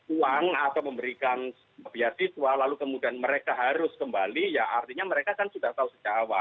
uang atau memberikan biaya siswa lalu kemudian mereka harus kembali ya artinya mereka kan sudah tahu sejak awal